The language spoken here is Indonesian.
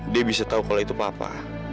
dia bisa tau kalo itu papa